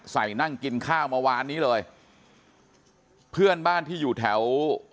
นั่งกินข้าวเมื่อวานนี้เลยเพื่อนบ้านที่อยู่แถว